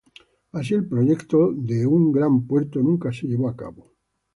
Así el proyecto de un gran puerto nunca se llevó a cabo.